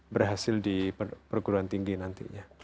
berhasil di perguruan tinggi nantinya